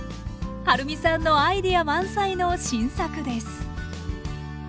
はるみさんのアイデア満載の新作です。